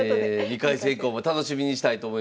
２回戦以降も楽しみにしたいと思います。